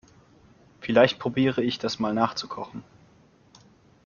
Vielleicht probiere ich das mal nachzukochen.